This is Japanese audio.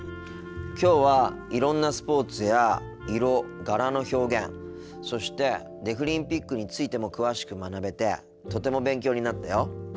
きょうはいろんなスポーツや色柄の表現そしてデフリンピックについても詳しく学べてとても勉強になったよ。